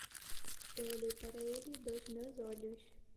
Eu olhei para ele dos meus olhos.